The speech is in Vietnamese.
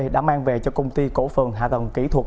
đã mang về cho công ty cổ phần hạ tầng kỹ thuật